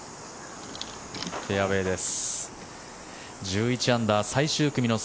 フェアウェーです。